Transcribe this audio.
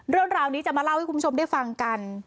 เรื่องราวนี้จะมาเล่าให้คุณผู้ชมได้ฟังกัน